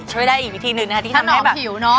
ช่วยได้อีกวิธีหนึ่งนะคะที่ทำให้แบบหิวเนอะ